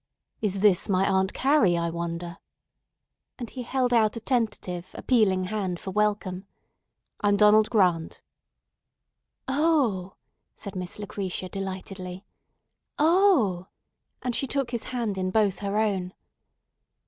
"Is this my Aunt Carrie? I wonder"; and he held out a tentative, appealing hand for welcome. "I'm Donald Grant." "O!" said Miss Lucretia delightedly, "O!" and she took his hand in both her own.